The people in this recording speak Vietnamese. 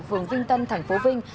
phường vinh tân thành phố vinh